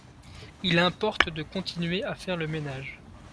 Il importe de continuer à faire le ménage.